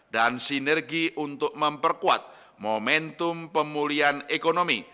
dan sinergi untuk memperkuat momentum pemulihan ekonomi